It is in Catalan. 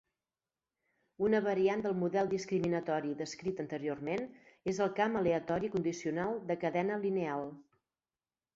Una variant del model discriminatori descrit anteriorment és el camp aleatori condicional de cadena lineal.